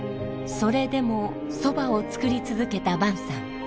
それでもそばを作り続けた潘さん。